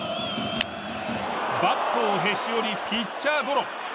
バットをへし折りピッチャーゴロ。